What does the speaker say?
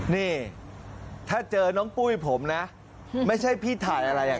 นี่ถ้าเจอน้องปุ้ยผมนะไม่ใช่พี่ถ่ายอะไรอ่ะ